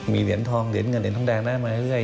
มีเหรียญทองเหรียญเงินเหรียญทองแดงได้มาเรื่อย